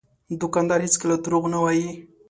دوکاندار هېڅکله دروغ نه وایي.